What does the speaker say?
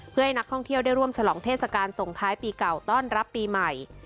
เพื่อให้นักท่องเที่ยวได้ร่วมฉลองเทศกาลส่งท้ายปีเก่าต้อนรับปีใหม่